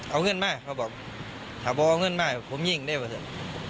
เอาเงินมาเขาบอกถ้าพอเอาเงินมาผมยิ่งได้ไปเถอะ